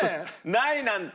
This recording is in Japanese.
ないなんて。